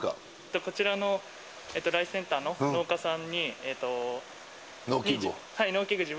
こちらのライスセンターの農農機具を？